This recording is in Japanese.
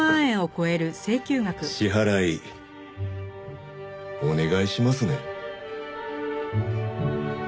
支払いお願いしますね。